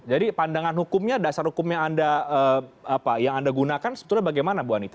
jadi pandangan hukumnya dasar hukum yang anda gunakan sebetulnya bagaimana bu anita